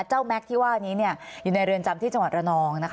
แม็กซ์ที่ว่านี้อยู่ในเรือนจำที่จังหวัดระนองนะคะ